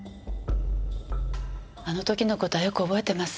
あの時の事はよく覚えてます。